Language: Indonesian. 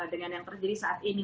dengan yang terjadi saat ini